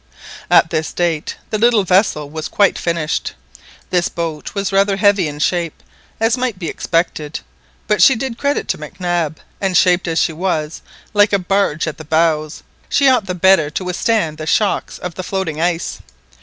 At this date the little vessel was quite finished. This boat was rather heavy in shape, as might have been expected, but she did credit to Mac Nab, and shaped as she was like a barge at the bows, she ought the better to withstand the shocks of the floating ice.